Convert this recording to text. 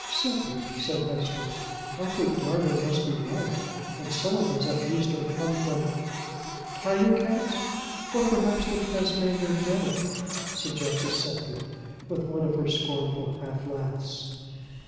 "Sepia!" said Hesper, "I think Darwin must be right, and some of us at least are come from " "Tiger cats? or perhaps the Tasmanian devil?" suggested Sepia, with one of her scornful half laughs.